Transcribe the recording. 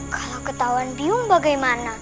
kalau ketahuan biung bagaimana